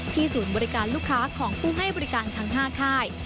ศูนย์บริการลูกค้าของผู้ให้บริการทั้ง๕ค่าย